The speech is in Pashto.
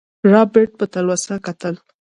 رابرټ په تلوسه کتل.